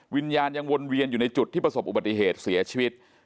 วิญญาณยังวนเวียนอยู่ในจุดที่ประสบอุบัติเหตุเสียชีวิต